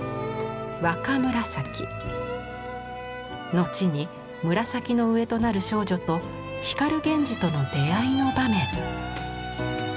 後に紫の上となる少女と光源氏との出会いの場面。